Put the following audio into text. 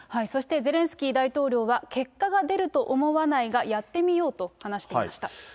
そしてゼレンスキー大統領は、結果が出ると思わないが、やってみようと話していました。